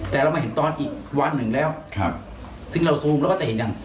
แต่เราไม่เห็นตอนอีกวันหนึ่งแล้วครับซึ่งเราซูมแล้วก็จะเห็นอย่าง